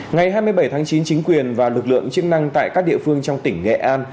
ngày hai mươi bảy tháng chín chính quyền và lực lượng chức năng tại các địa phương trong tỉnh nghệ an